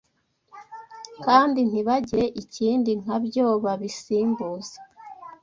kandi ntibagire ikindi nkabyo babisimbuza